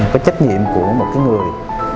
cái trách nhiệm của một cái người